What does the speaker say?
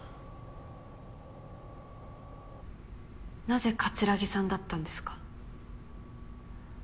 なぜ木さんだったんですか？